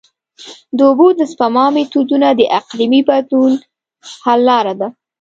د اوبو د سپما میتودونه د اقلیمي بدلون حل لاره ده.